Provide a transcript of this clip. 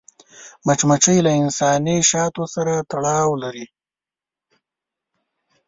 مچمچۍ له انساني شاتو سره تړاو لري